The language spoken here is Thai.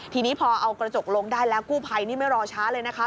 ทีนี้พอเอากระจกลงได้แล้วกู้ภัยนี่ไม่รอช้าเลยนะคะ